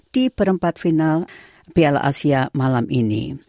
di perempat final piala asia malam ini